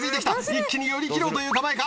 一気に寄り切ろうという構えか⁉